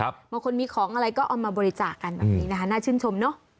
บางคนมีของอะไรก็เอามาบริจาคกันแบบนี้นะคะน่าชื่นชมเนอะ